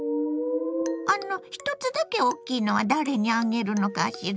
あの１つだけ大きいのは誰にあげるのかしら？